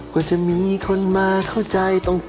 ว่าจะมีคนมาเข้าใจตรง